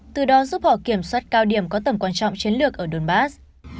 từ đó giúp họ kiểm soát cao điểm có tầm quan trọng chiến lược ở đôn bắc